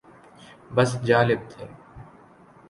بس جالب تھے